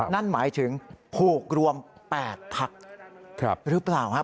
นั่นหมายถึงผูกรวม๘พักหรือเปล่าฮะ